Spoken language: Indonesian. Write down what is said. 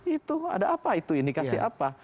itu ada apa itu indikasi apa